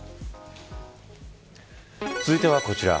続いてはこちら。